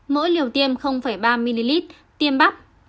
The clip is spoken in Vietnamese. mỗi liều tiêm ba ml tiêm bắp